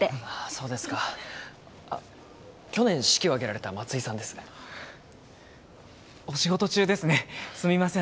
そうですか去年式を挙げられた松井さんですお仕事中ですねすみません